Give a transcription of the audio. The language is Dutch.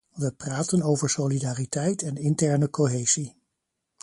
We praten over solidariteit en interne cohesie.